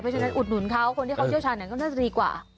เพราะฉะนั้นอุดหนุนเขาคนที่เขาเชี่ยวชาญก็น่าจะดีกว่า